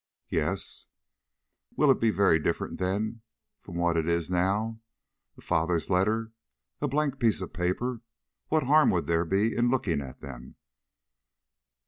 "Yes." "Will it be very different then from what it is now? A father's letters! a blank piece of paper! What harm would there be in looking at them?"